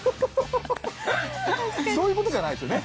そういうことじゃないですよね？